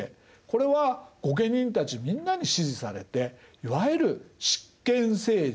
これは御家人たちみんなに支持されていわゆる執権政治が確立しました。